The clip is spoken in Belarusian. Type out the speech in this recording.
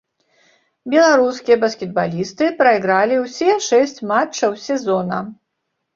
Беларускія баскетбалісты прайгралі ўсе шэсць матчаў сезона.